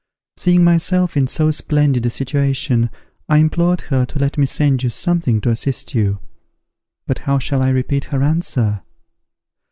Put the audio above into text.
Seeing myself in so splendid a situation, I implored her to let me send you something to assist you. But how shall I repeat her answer!